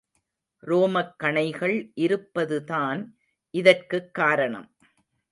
ரோமக் கணைகள் இருப்பதுதான் இதற்குக் காரணம்.